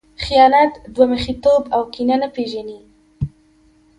خیانت، دوه مخی توب او کینه نه پېژني.